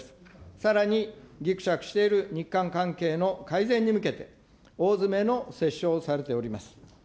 さらに、ぎくしゃくしている日韓関係の改善に向けて、大詰めの折衝をされております。